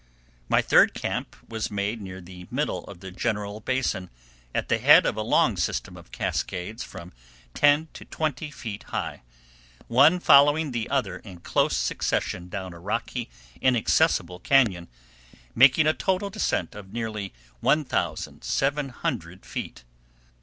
My third camp was made near the middle of the general basin, at the head of a long system of cascades from ten to 200 feet high, one following the other in close succession down a rocky, inaccessible cañon, making a total descent of nearly 1700 feet.